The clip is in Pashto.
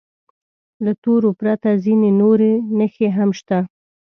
له تورو پرته ځینې نورې نښې هم شته.